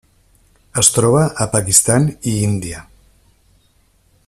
Es troba a Pakistan i Índia.